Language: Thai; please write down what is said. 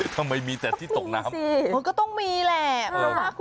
ทำไมมีแต่ที่ตกน้ำมันก็ต้องมีแหละ